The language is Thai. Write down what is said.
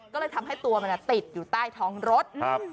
ก็เลยทำให้ตัวมันติดอยู่ใต้ท้องรถ